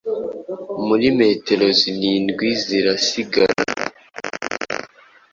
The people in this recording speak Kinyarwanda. Muri metero zirindwi zirasigara.